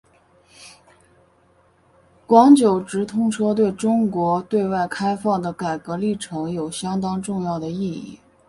广九直通车对中国对外开放的改革历程有相当重要的意义。